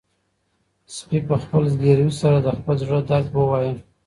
سپي په خپل زګیروي سره د خپل زړه درد ووايه.